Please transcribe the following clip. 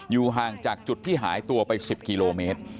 ห่างจากจุดที่หายตัวไป๑๐กิโลเมตร